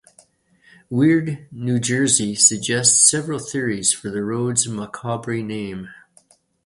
"Weird New Jersey" suggests several theories for the road's macabre name.